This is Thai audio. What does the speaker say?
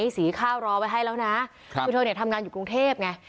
สีข้าวรอไว้ให้แล้วนะคือเธอเนี่ยทำงานอยู่กรุงเทพไง